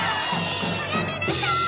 やめなさい！